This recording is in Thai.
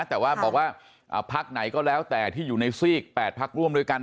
แต่ว่าบอกว่าพักไหนก็แล้วแต่ที่อยู่ในซีก๘พักร่วมด้วยกัน